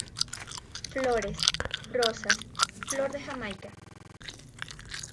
Flores: rosas, flor de jamaica.